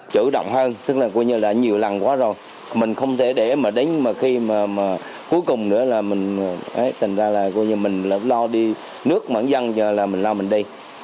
chủ động hơn tức là nhiều lần quá rồi mình không thể để mà đến khi mà cuối cùng nữa là mình lo đi nước mạng dân là mình lo mình đi